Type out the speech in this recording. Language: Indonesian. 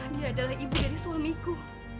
dia adalah ibu dari suamiku